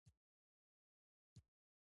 د دوی د مینې کیسه د سهار په څېر تلله.